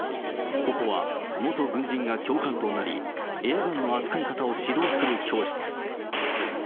ここは元軍人が教官となり、エアガンの扱い方を指導する教室。